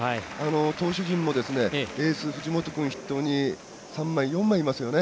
投手陣もエース、藤本君筆頭に３枚、４枚いますよね。